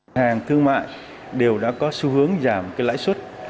các hàng thương mại đều đã có xu hướng giảm lãi suất